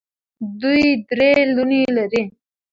دوی درې لوڼې لري.